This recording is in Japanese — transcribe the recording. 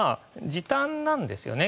時短なんですよね